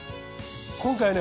今回はね